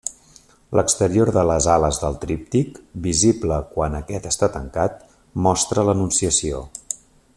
L'exterior de les ales del tríptic, visible quan aquest està tancat, mostra l'Anunciació.